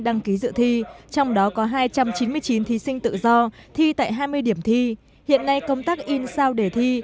đăng ký dự thi trong đó có hai trăm chín mươi chín thí sinh tự do thi tại hai mươi điểm thi hiện nay công tác in sao để thi